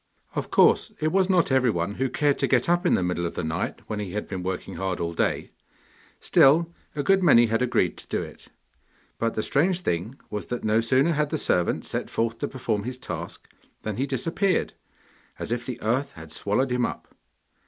Of course it was not everyone who cared to get up in the middle of the night, when he had been working hard all day; still, a good many had agreed to do it. But the strange thing was that no sooner had the servant set forth to perform his task than he disappeared, as if the earth had swallowed him up.